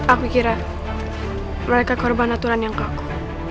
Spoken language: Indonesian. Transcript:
aku kira mereka korban aturan yang kokoh